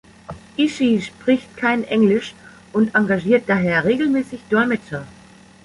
Ishii spricht kein Englisch und engagiert daher regelmäßig Dolmetscher.